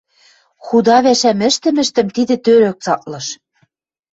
Худа пӓшӓм ӹштӹмӹштӹм тидӹ тӧрӧк цаклыш.